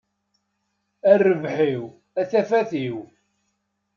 A rrbeḥ-iw, a tafat-iw!